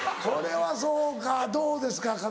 これはそうかどうですか？